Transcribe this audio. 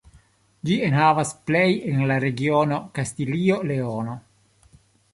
Ĝi enhavas plej el la regiono Kastilio-Leono.